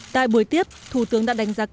tại buổi tiếp thủ tướng đã đánh giá kết thúc